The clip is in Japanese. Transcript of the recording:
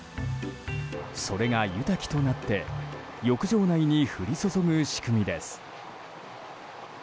それが湯滝となって浴場内に降り注ぐ仕組みです。